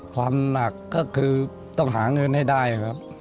ความหนักก็คือต้องหาเงินให้ได้ครับ